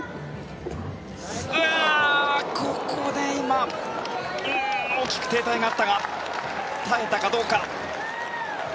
ここで今大きく停滞があったが耐えたかどうか。